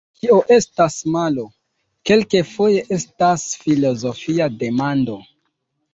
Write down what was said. Kio estas malo, kelkfoje estas filozofia demando.